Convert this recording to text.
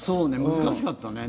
難しかったね。